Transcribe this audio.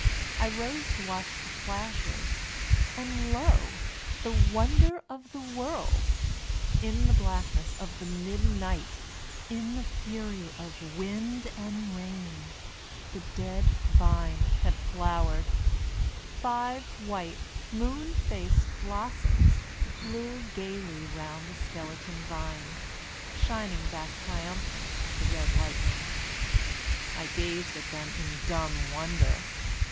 I rose to watch the flashes, and lol the wonder of the world I In the blackness of the mid NicHT, in the fury of wind and rain, the dead vine had flowered Five white, moon faced blossoms blew gaily round the skele ton vine, shining back triumphant at the red lightning. I gazed at them in dumb wonder.